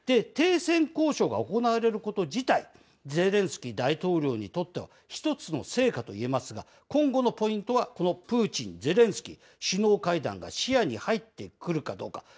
停戦交渉が行われること自体、ゼレンスキー大統領にとっては、一つの成果といえますが、今後のポイントはこのプーチン・ゼレンスキー首脳会談が視野に入ってくるかどうか。